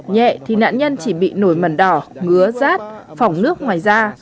nhẹ thì nạn nhân chỉ bị nổi mẩn đỏ ngứa rát phỏng nước ngoài da